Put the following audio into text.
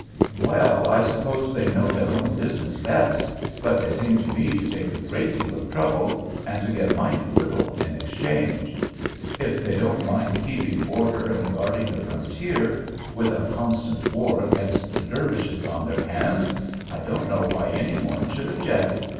"Well, I suppose they know their own business best, but they seem to me to take a great deal of trouble, and to get mighty little in exchange. If they don't mind keeping order and guarding the frontier, with a constant war against the Dervishes on their hands, I don't know why any one should object.